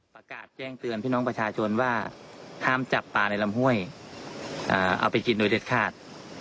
ประกาศแจ้งเตือนพี่น้องประชาชนว่าห้ามจับปลาในลำห้วยเอาไปกินโดยเด็ดขาด